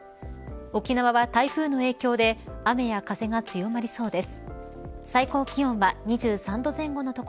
沖縄は台風の影響で雨や風が強まりそうです。